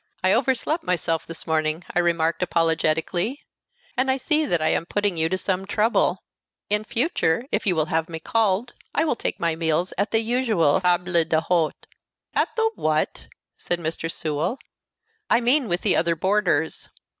"I overslept myself this morning," I remarked apologetically, "and I see that I am putting you to some trouble. In future, if you will have me called, I will take my meals at the usual table d'hôte." "At the what?" said Mr. Sewell. "I mean with the other boarders."